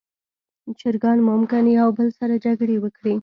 چرګان ممکن یو بل سره جګړه وکړي.